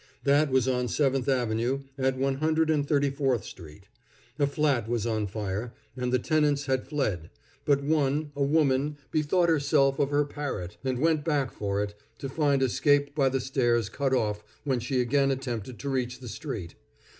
That was on Seventh Avenue at One Hundred and Thirty fourth street. A flat was on fire, and the tenants had fled; but one, a woman, bethought herself of her parrot, and went back for it, to find escape by the stairs cut off when she again attempted to reach the street.